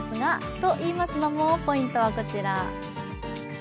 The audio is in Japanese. といいますのも、ポイントはこちら。